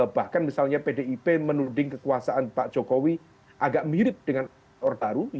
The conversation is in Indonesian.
bahkan misalnya pdip menuding kekuasaan pak jokowi agak mirip dengan ordarut yang disimplifikasi